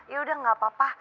yaudah gak apa apa